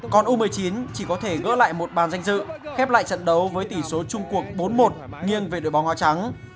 còn u một mươi chín chỉ có thể gỡ lại một bàn danh dự khép lại trận đấu với tỷ số chung cuộc bốn một nghiêng về đội bóng hoa trắng